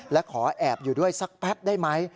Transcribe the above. และขอแอบอยู่ด้วยสักแป๊บได้ไหม